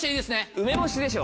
梅干しでしょ。